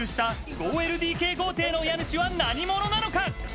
５ＬＤＫ豪邸の家主は何者なのか？